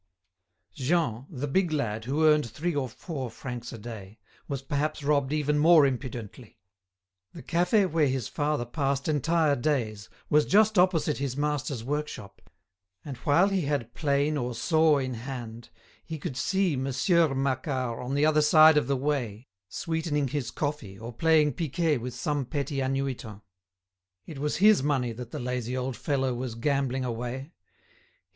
Jean, the big lad who earned three or four francs a day, was perhaps robbed even more impudently. The cafe where his father passed entire days was just opposite his master's workshop, and while he had plane or saw in hand he could see "Monsieur" Macquart on the other side of the way, sweetening his coffee or playing piquet with some petty annuitant. It was his money that the lazy old fellow was gambling away.